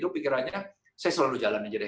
pikirannya saya selalu jalanin aja deh